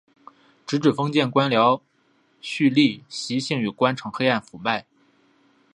直指封建官僚胥吏习性与官场黑暗腐败。